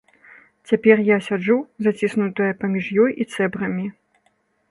Цяпер я сяджу, заціснутая паміж ёй і цэбрамі.